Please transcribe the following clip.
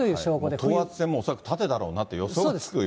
等圧線も恐らく縦だろうなと予想がつくような。